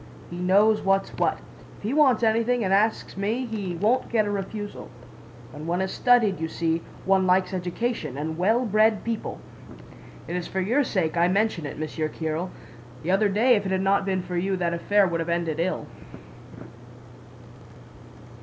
He knows what's what.... If he wants anything and asks me, he won't get a refusal. When one has studied, you see, one likes education and well bred people.' It is for your sake I mention it, Monsieur Kiril. The other day if it had not been for you that affair would have ended ill."